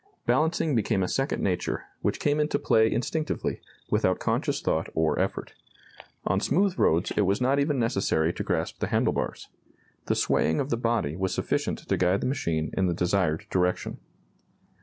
Balancing became a second nature, which came into play instinctively, without conscious thought or effort. On smooth roads it was not even necessary to grasp the handle bars. The swaying of the body was sufficient to guide the machine in the desired direction.